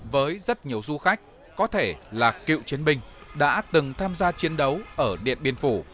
với rất nhiều du khách có thể là cựu chiến binh đã từng tham gia chiến đấu ở điện biên phủ